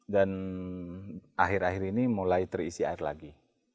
dan akhir akhir ini mulai terisi air lagi